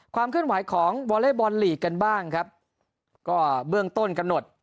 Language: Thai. ความเคลื่อนไหวของวอเล็กบอลลีกกันบ้างครับก็เบื้องต้นกำหนด